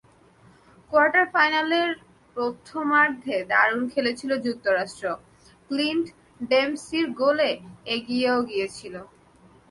Quarter ফাইনালে প্রথমার্ধে দারুণ খেলেছিল যুক্তরাষ্ট্র, ক্লিন্ট ডেম্পসির গোলে এগিয়েও গিয়েছিল।